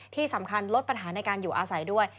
ที่สำคัญลดปัญหาในการอยู่อาศัยด้วย